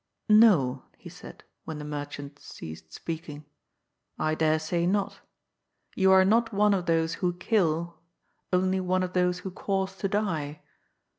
^' No," he said, when the merchant ceased speaking, ^' I dare say not. You are not one of those who kill, only one of those who cause to die.